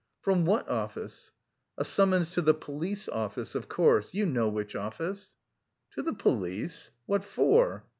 "From what office?" "A summons to the police office, of course. You know which office." "To the police?... What for?..."